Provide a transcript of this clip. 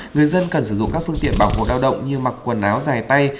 người dân cần sử dụng các phương tiện bảo hộ lao động như mặc quần áo dài tay